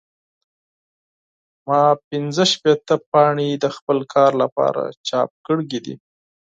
ما پنځه شپېته پاڼې د خپل کار لپاره چاپ کړې دي.